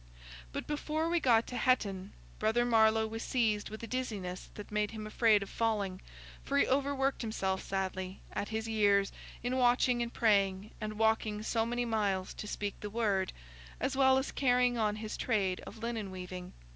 But before we got to Hetton, brother Marlowe was seized with a dizziness that made him afraid of falling, for he overworked himself sadly, at his years, in watching and praying, and walking so many miles to speak the Word, as well as carrying on his trade of linen weaving.